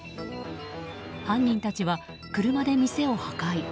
犯人たちは車で店を破壊。